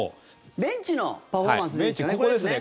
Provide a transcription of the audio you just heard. ベンチのパフォーマンスですね。